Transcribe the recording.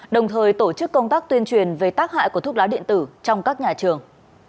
đồng thời tổ chức công tác tuyên truyền về tác hại của thuốc lá điện tử trong các nhà trường